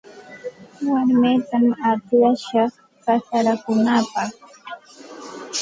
Warmitam akllashaq kasarakunaapaq.